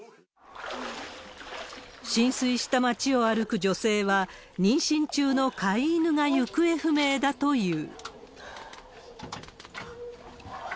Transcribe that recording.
浸水した町を歩く女性は、妊娠中の飼い犬が行方不明だという。